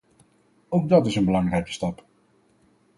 Ook dat is een belangrijke stap.